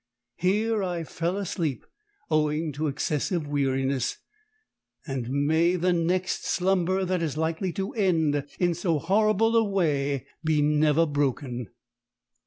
Here I fell asleep owing to excessive weariness, and may the next slumber that is likely to end in so horrible a way be never broken.